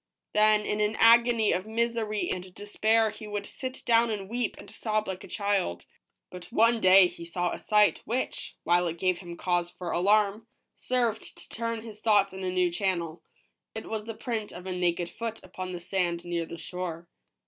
Then in an agony of misery and despair he would sit down and weep and sob like a child. But one day he saw a sight which, while it gave him cause for alarm, served to turn his thoughts in a new channel. It was the print of a naked foot upon the sand near the shore.